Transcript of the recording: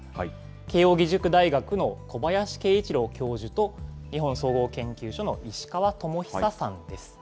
慶應義塾大学の小林慶一郎教授と、日本総合研究所の石川智久さんです。